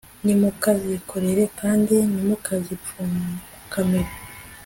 ntimukazikorere kandi ntimukazipfukamire